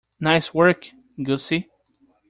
Nice work, Gussie.